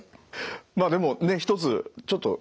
まあでもね一つちょっとこうね